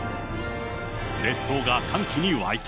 列島が歓喜に沸いた。